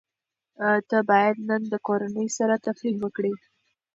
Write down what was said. ته بايد نن له کورنۍ سره تفريح وکړې.